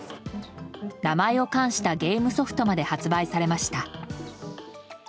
名前を冠したゲームソフトまで発売されました。